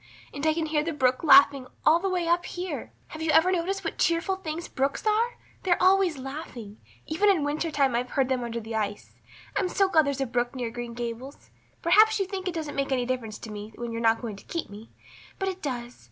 And I can hear the brook laughing all the way up here. Have you ever noticed what cheerful things brooks are? They're always laughing. Even in winter time I've heard them under the ice. I'm so glad there's a brook near Green Gables. Perhaps you think it doesn't make any difference to me when you're not going to keep me, but it does.